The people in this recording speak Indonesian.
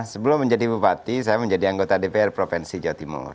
sebelum menjadi bupati saya menjadi anggota dpr provinsi jawa timur